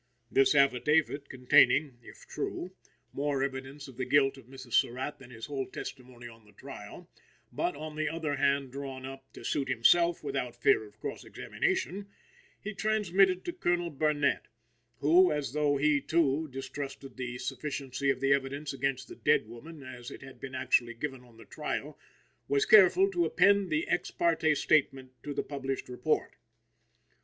This affidavit, containing (if true) more evidence of the guilt of Mrs. Surratt than his whole testimony on the trial, but, on the other hand, drawn up to suit himself without fear of cross examination he transmitted to Colonel Burnett, who, as though he, too, distrusted the sufficiency of the evidence against the dead woman as it had been actually given on the trial, was careful to append the ex parte statement to the published report.